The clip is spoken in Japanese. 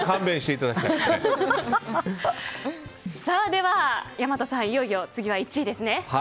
では、大和さんいよいよ次は１位ですね。